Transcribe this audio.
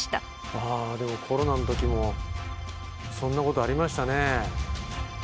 あでもコロナの時もそんなことありましたね。